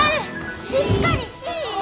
しっかりしぃよ！